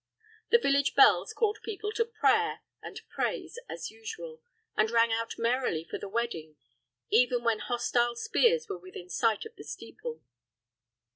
The village bells called people to prayer and praise as usual, and rang out merrily for the wedding, even when hostile spears were within sight of the steeple.